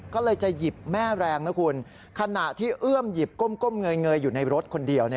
ก็เลยจะหยิบแม่แรงนะคุณขณะที่เอื้อมหยิบก้มเงยอยู่ในรถคนเดียว